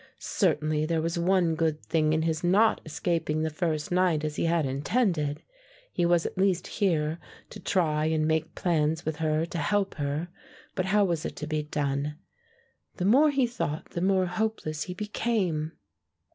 Certainly there was one good thing in his not escaping the first night as he had intended; he was at least here to try and make plans with her to help her, but how was it to be done? The more he thought the more hopeless he became.